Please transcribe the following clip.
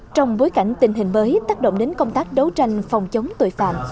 trong bối cảnh tình hình mới tác động đến công tác đấu tranh phòng chống tội phạm